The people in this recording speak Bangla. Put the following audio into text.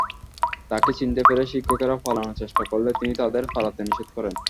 তাঁকে চিনতে পেরে শিক্ষকেরা পালানোর চেষ্টা করলে তিনি তাঁদের পালাতে নিষেধ করেন।